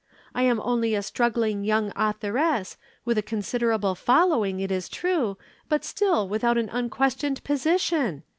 I am only a struggling young authoress, with a considerable following, it is true, but still without an unquestioned position.